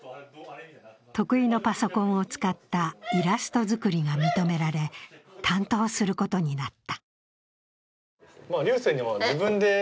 得意のパソコンを使ったイラスト作りが認められ担当することになった。